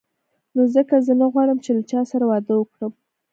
نو ځکه زه نه غواړم چې له چا سره واده وکړم.